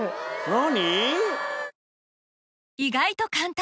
何？